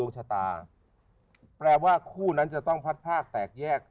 ฉันไม่อยากจะเชื่อ